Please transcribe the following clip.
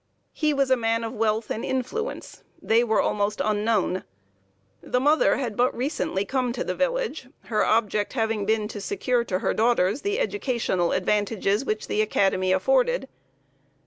He was a man of wealth and influence. They were almost unknown. The mother had but recently come to the village, her object having been to secure to her daughters the educational advantages which the academy afforded.